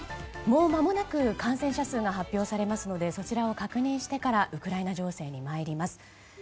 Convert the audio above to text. もうまもなく感染者数が発表されますのでそちらを確認してからウクライナ情勢に参ります。